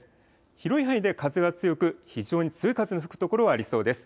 広い範囲で風が強く非常に強い風の吹く所がありそうです。